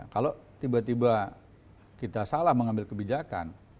kalau tiba tiba kita salah mengambil kebijakan